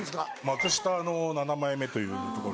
幕下の七枚目というところ。